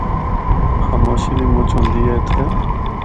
خاموشی بھی مُچ ہوندی اے اِتھا۔